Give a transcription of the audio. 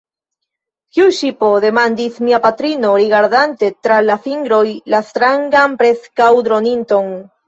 Kiu ŝipo? demandis mia patrino, rigardante tra la fingroj la strangan preskaŭ-droninton.